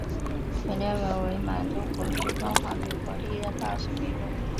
本列表为满洲国驻中华民国历任大使名录。